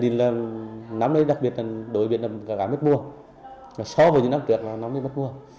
năm nay đặc biệt là đổi biển là cá mất mua so với những năm trước là nó mới mất mua